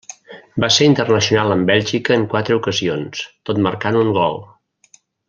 Va ser internacional amb Bèlgica en quatre ocasions, tot marcant un gol.